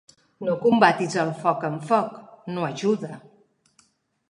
No combatis el foc amb foc, no ajuda.